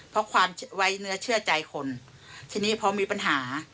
เพราะความไว้เนื้อเชื่อใจคนทีนี้พอมีปัญหา